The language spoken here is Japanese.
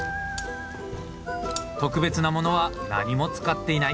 特別なものは何も使っていない。